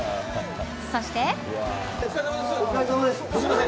そして。